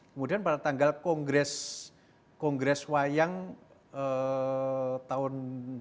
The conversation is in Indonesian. kemudian pada tanggal kongres wayang tahun seribu sembilan ratus tujuh puluh empat